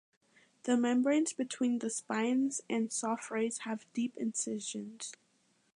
The membranes between the spines and soft rays have deep incisions.